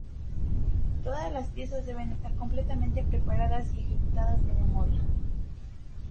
Todas las piezas deben estar completamente preparadas y ejecutadas de memoria.